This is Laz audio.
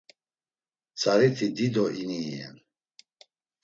Tzariti dido ini iyen.